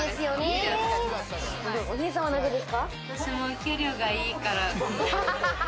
私も給料がいいから。